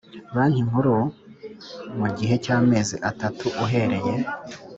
kuri Banki Nkuru mu gihe cy amezi atatu uhereye